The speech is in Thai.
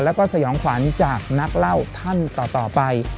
แล้วก็สยองขวัญจากนักเล่าท่านต่อไป